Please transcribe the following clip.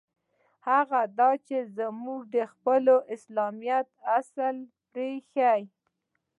هغه دا چې موږ خپل د اسلامیت اصل پرېیښی.